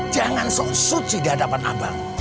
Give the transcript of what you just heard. jangan sok suci dihadapan abang